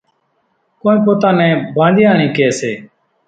ڪونئين پوتا نين ڀانڄياڻِي ڪيَ سي۔